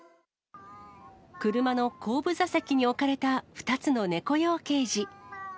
車の後部座席に置かれた２つの猫用ケージ。